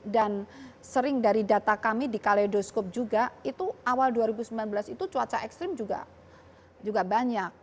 dan sering dari data kami di kaleidoskop juga itu awal dua ribu sembilan belas itu cuaca ekstrim juga banyak